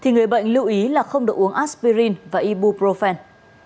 người bệnh lưu ý là không được uống aspirin và ibuprofen